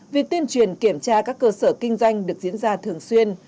việc tuyên truyền kiểm tra các cơ sở kinh doanh được diễn ra thường xuyên